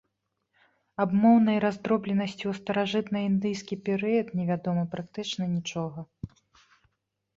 Аб моўнай раздробленасці ў старажытнаіндыйскі перыяд невядома практычна нічога.